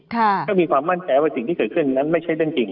ก็มีความมั่นใจว่าสิ่งที่เกิดขึ้นนั้นไม่ใช่เรื่องจริง